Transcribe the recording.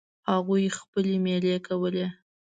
هغوی خپلې میلې کولې.